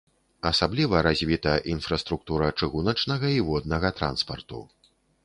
Асабліва развіта інфраструктура чыгуначнага і воднага транспарту.